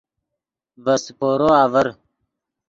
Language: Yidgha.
ڤے سیپورو آڤر